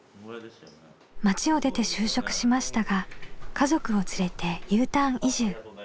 町を出て就職しましたが家族を連れてＵターン移住。